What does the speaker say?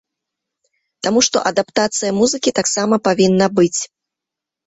Таму што адаптацыя музыкі таксама павінна быць.